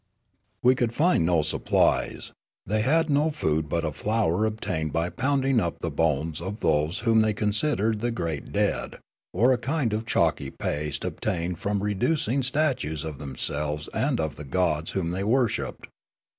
" We could find no supplies. They had no food but a flour obtained b} pounding up the bones of those whom they considered the great dead, or a kind of chalky paste obtained from reducing statues of themselves and of the gods whom they worshipped.